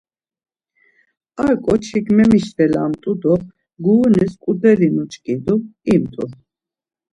Ar ǩoçik memişvelamt̆u do gurunis ǩudeli nuç̌ǩidu, imt̆u.